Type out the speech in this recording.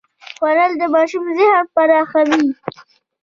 خوړل د ماشوم ذهن پراخوي